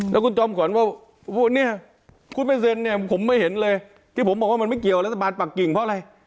แล้วคุณจอมขวัญว่าเนี่ยคุณไม่เซ็นเนี่ยผมไม่เห็นเลยที่ผมบอกว่ามันไม่เกี่ยวรัฐบาลปากกิ่งเพราะอะไร